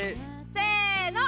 せの！